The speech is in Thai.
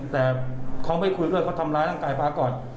แต่เขาไม่คุยด้วยเขาทำร้ายร่างกายพระก่อน